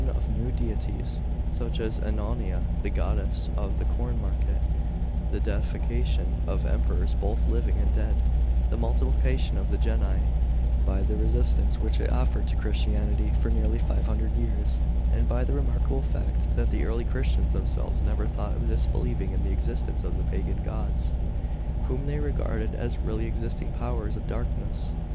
xxx. new deities, such as Annona, the goddess of the corn market; the deification of Emperors both living and dead; the multiplication of the genii j (3) by the resistance which it offered to Christianity for nearly five hundred years, and by the remarkable fact that the early Christians themselves never thought of disbelieving in the existence of the Pagan gods, whom they regarded as really existing powers of darkness.